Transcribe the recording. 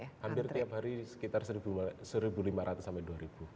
hampir tiap hari sekitar satu lima ratus sampai dua ribu